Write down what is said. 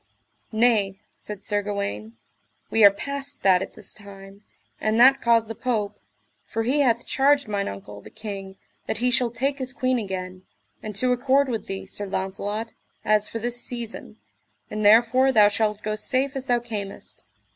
Nay, said Sir Gawaine, we are past that at this time, and that caused the Pope, for he hath charged mine uncle, the king, that he shall take his queen again, and to accord with thee, Sir Launcelot, as for this season, and therefore thou shalt go safe as thou camest.